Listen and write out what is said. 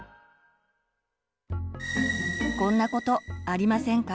こんなことありませんか？